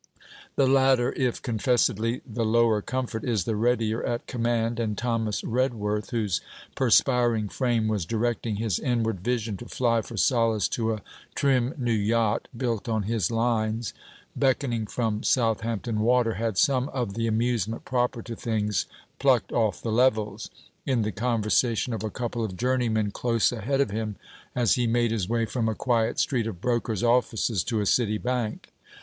The latter, if confessedly the lower comfort, is the readier at command; and Thomas Redworth, whose perspiring frame was directing his inward vision to fly for solace to a trim new yacht, built on his lines, beckoning from Southampton Water, had some of the amusement proper to things plucked off the levels, in the conversation of a couple of journeymen close ahead of him, as he made his way from a quiet street of brokers' offices to a City Bank.